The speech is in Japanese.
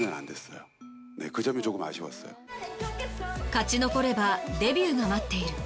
勝ち残ればデビューが待っている。